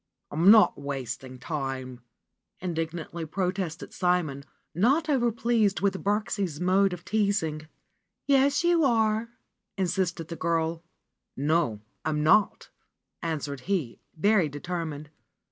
98 RENUNCIATION OF FRA SIMONETTA not wasting time indignantly protested Simon, not overpleased with Birksie's mode of teasing. ^'Yes, you are insisted the girl. ^'No, I'm not !" answered he, very determined.